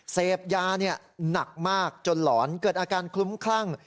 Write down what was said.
เสพยาหนักมากจนหลอนเกิดอาการคลุ้มคลั่ง